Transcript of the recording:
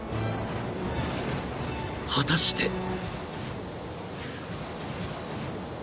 ［果たして］